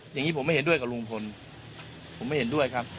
อย่างนี้ผมไม่เห็นด้วยกับลุงพลผมไม่เห็นด้วยครับ